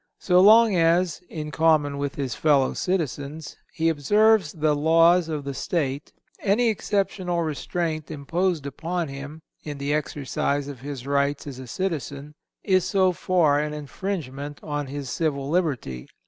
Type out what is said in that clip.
So long as, in common with his fellow citizens, he observes the laws of the state, any exceptional restraint imposed upon him, in the exercise of his rights as a citizen, is so far an infringement on his civil liberty.